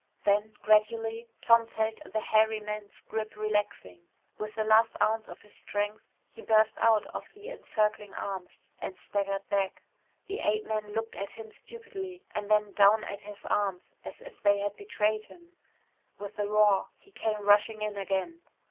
Then, gradually, Tom felt the hairy man's grip relaxing. With the last ounce of his strength he burst out of the encircling arms and staggered back. The ape man looked at him stupidly and then down at his arms as if they had betrayed him. With a roar, he came rushing in again.